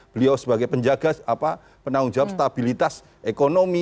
beliau sebagai penjaga penanggung jawab stabilitas ekonomi